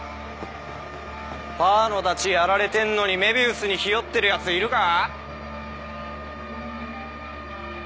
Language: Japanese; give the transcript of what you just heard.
パーのダチやられてんのに愛美愛主にひよってるやついるか？